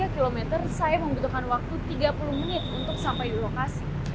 tiga km saya membutuhkan waktu tiga puluh menit untuk sampai di lokasi